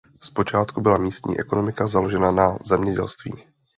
Zpočátku byla místní ekonomika založena na zemědělství.